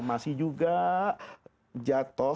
masih juga jatuh